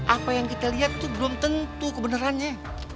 apa yang kita lihat tuh belum tentu kebenerannya